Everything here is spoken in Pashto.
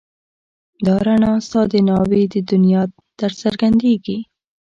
دا رڼا ستا د ناوې د دنيا درڅرګنديږي